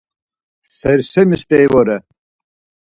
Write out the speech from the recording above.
Sersemi steri vore.